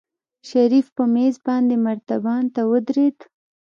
شريف په مېز باندې مرتبان ته ودرېد.